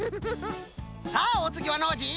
さあおつぎはノージー。